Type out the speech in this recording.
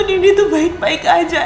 nenek tuh baik baik aja elsa